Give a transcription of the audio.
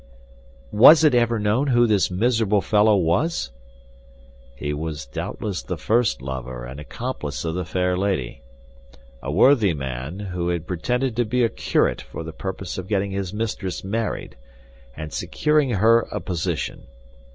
"Was it ever known who this miserable fellow was?" "He was doubtless the first lover and accomplice of the fair lady. A worthy man, who had pretended to be a curate for the purpose of getting his mistress married, and securing her a position.